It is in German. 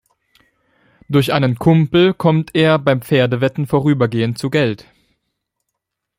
Durch einen Kumpel kommt er beim Pferdewetten vorübergehend zu Geld.